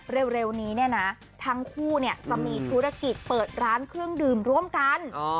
เร็วนี้เนี่ยนะทั้งคู่จะมีธุรกิจเปิดร้านเครื่องดื่มร่วมกัน